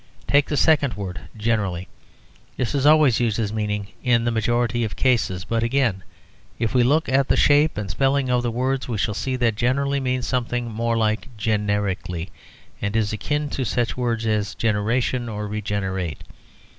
Take the second word, "generally." This is always used as meaning "in the majority of cases." But, again, if we look at the shape and spelling of the word, we shall see that "generally" means something more like "generically," and is akin to such words as "generation" or "regenerate."